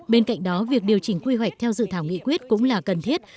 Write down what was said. bên cạnh đó việc điều chỉnh quy hoạch theo dự thảo nghị quyết cũng là cần thiết